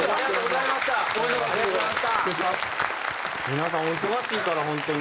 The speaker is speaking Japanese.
皆さんお忙しいから本当に。